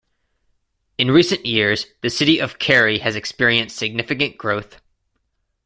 In recent years, the city of Carey has experienced significant growth.